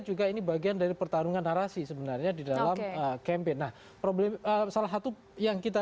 juga ini bagian dari pertarungan narasi sebenarnya di dalam campaign nah problem salah satu yang kita